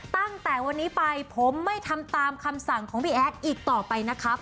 ตั้งแต่วันนี้ไปผมไม่ทำตามคำสั่งของพี่แอดอีกต่อไปนะครับ